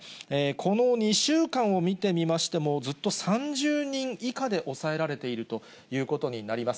この２週間を見てみましても、ずっと３０人以下で抑えられているということになります。